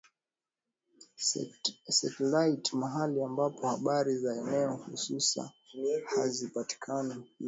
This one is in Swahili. setilaiti Mahali ambapo habari za eneo hususa hazipatikani hizi